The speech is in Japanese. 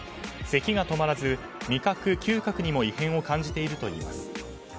せきが止まらず味覚・嗅覚にも異変を感じているといいます。